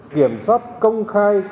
để kiểm soát công khai